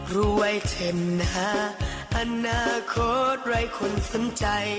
รวยเช่นหน้าอนาคตไร้คนสำใจ